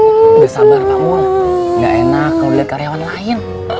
udah sabar pak multe nggak enak kalau dilihat karyawan lain